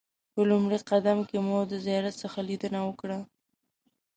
په لومړي قدم کې مو د زیارت څخه لیدنه وکړه.